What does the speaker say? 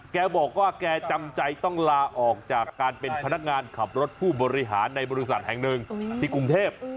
แกบอกว่าแกจำใจต้องลาออกจากการเป็นพนักงานขับรถผู้บริหารในบริษัทแห่งหนึ่งที่กรุงเทพ